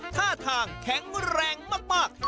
ท่าทางแข็งแรงมาก